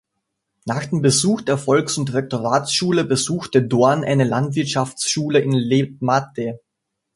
Nach dem Besuch der Volks- und Rektoratsschule besuchte Dorn eine Landwirtschaftsschule in Letmathe.